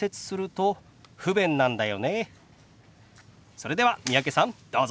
それでは三宅さんどうぞ！